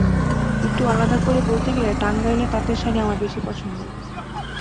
একটু আলাদা করে বলতে গেলে টাঙ্গাইলের তাঁতের শাড়ি আমার বেশি পছন্দ।